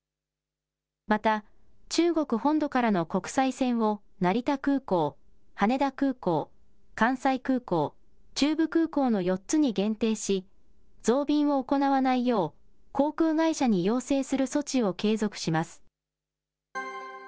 また、中国本土からの国際線を成田空港、羽田空港、関西空港、中部空港の４つに限定し、増便を行わないよう航空会社に要請する措置を継続します。